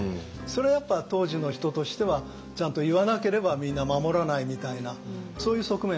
それやっぱ当時の人としてはちゃんと言わなければみんな守らないみたいなそういう側面はあったと思います。